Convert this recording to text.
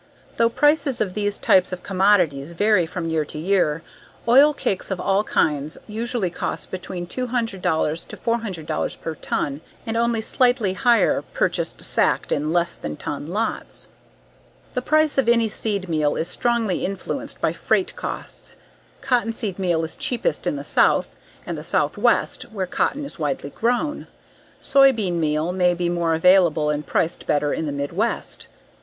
Though prices of these types of commodities vary from year to year, oil cakes of all kinds usually cost between $200 to $400 per ton and only slightly higher purchased sacked in less than ton lots. The price of any seed meal is strongly influenced by freight costs. Cottonseed meal is cheapest in the south and the southwest where cotton is widely grown. Soybean meal may be more available and priced better in the midwest.